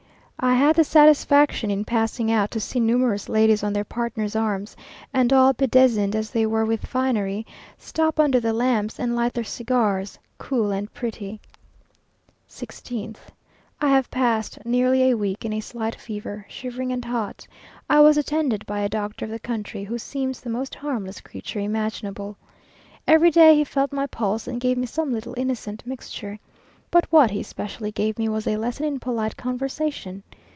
I had the satisfaction in passing out to see numerous ladies on their partners' arms, and all bedizened as they were with finery, stop under the lamps, and light their cigars, cool and pretty. 16th. I have passed nearly a week in a slight fever; shivering and hot. I was attended by a doctor of the country, who seems the most harmless creature imaginable. Every day he felt my pulse, and gave me some little innocent mixture. But what he especially gave me was a lesson in polite conversation.